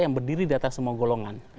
yang berdiri di atas semua golongan